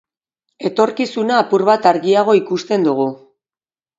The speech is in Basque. Etorkizuna apur bat argiago ikusten dugu.